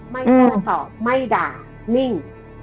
ไม่กล้าตอบไม่ด่านิ่ง